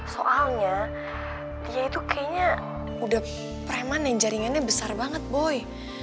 soalnya dia itu kayaknya udah preman yang jaringannya besar banget boy